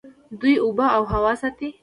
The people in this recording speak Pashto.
دوی اوبه او هوا ساتي.